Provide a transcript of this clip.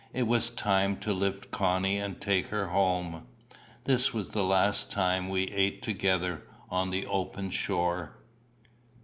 It was time to lift Connie and take her home. This was the last time we ate together on the open shore.